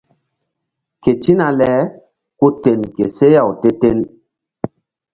Ketina le ku ten ke seh-aw te-ten.